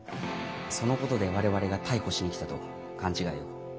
そのことで我々が逮捕しに来たと勘違いを。